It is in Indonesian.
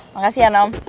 makasih ya nom